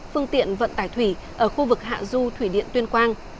phương tiện vận tải thủy ở khu vực hạ du thủy điện tuyên quang